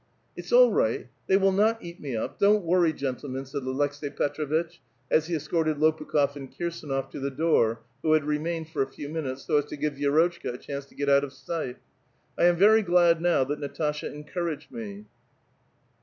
*' It's all right ; they will not eat me up ; don't woriy, gen tlemen," said Aleks^i Petr6vitch, as he escorted Lopukh6f WLud Kirsdnof to the door, who had remained for a few min iates, 80 as to give Vi6rotchka a chance to get out of sight. ••* 1 am very glad now that Natasha encouraged me